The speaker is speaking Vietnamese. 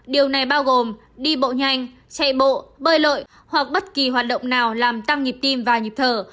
điều này bao gồm đi bộ nhanh chạy bộ bơi lội hoặc bất kỳ hoạt động nào làm tăng nhịp tim và nhịp thở